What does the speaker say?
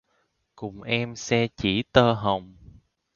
Cùng em xe chỉ tơ hồng.